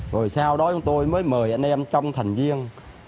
rồi sau đó chúng tôi mới mời anh em trong thành viên